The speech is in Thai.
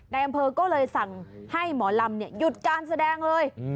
นายอำเภอก็เลยสั่งให้หมอลำหยุดการแสดงเลย